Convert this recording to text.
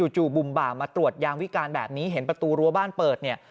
จุ่มบ่ามาตรวจยางวิการแบบนี้เห็นประตูรั้วบ้านเปิดเนี่ย